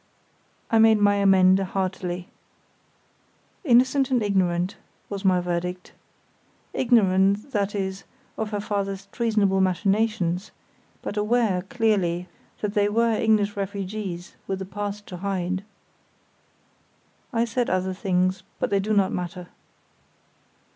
I made my amende heartily. "Innocent and ignorant," was my verdict. "Ignorant, that is, of her father's treasonable machinations; but aware, clearly, that they were English refugees with a past to hide." I said other things, but they do not matter.